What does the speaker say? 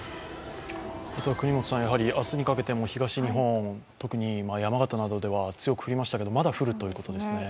明日にかけても東日本特に山形などでは強く降りましたが、まだ降るということですね？